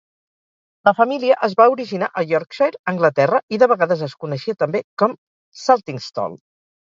La família es va originar a Yorkshire, Anglaterra, i de vegades es coneixia també com Saltingstall.